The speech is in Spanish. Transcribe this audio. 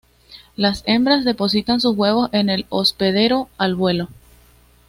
Las hembras depositan sus huevos en el hospedero al vuelo.